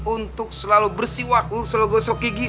untuk selalu bersih wakil selalu gosok gigi